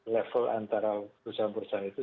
level antara perusahaan perusahaan itu